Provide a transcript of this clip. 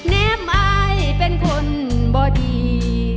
แนมอายเป็นคนบ่ดี